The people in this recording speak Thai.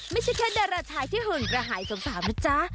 ไม่ใช่แค่ดาราชายที่หุ่นกระหายสาวนะจ๊ะ